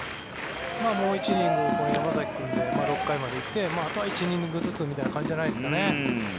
もう１イニング、山崎君で６回まで行ってあとは１イニングずつみたいな感じじゃないですかね。